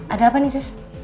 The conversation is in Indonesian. ada apa nih sus